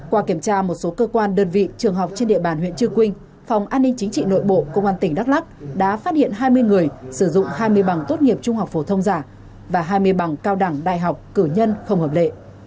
qua kiểm tra một số cơ quan đơn vị trường học trên địa bàn huyện trư quynh phòng an ninh chính trị nội bộ công an tỉnh đắk lắc đã phát hiện hai mươi người sử dụng hai mươi bằng tốt nghiệp trung học phổ thông giả và hai mươi bằng cao đẳng đại học cử nhân không hợp lệ